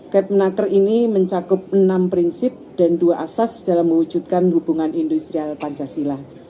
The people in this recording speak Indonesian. kepnaker ini mencakup enam prinsip dan dua asas dalam mewujudkan hubungan industrial pancasila